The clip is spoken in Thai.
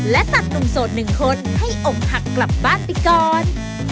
และตัดหนุ่มโสดหนึ่งคนให้อกหักกลับบ้านไปก่อน